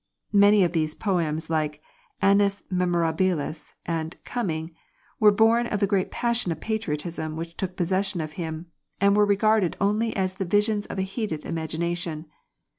Many of these poems, like 'Annus Memorabilis' and 'Coming,' were born of the great passion of patriotism which took possession of him, and were regarded only as the visions of a heated imagination.